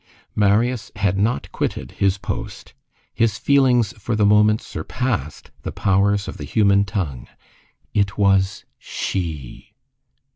Marius had not quitted his post. His feelings for the moment surpassed the powers of the human tongue. It was She!